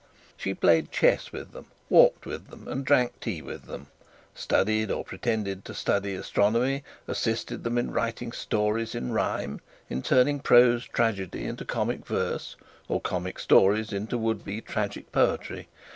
She played chess with them, walked with them, and drank tea with them; studied or pretended to study astronomy; assisted them in writing stories in rhyme, in turning prose tragedy into comic verse, or comic stories into would be tragic poetry.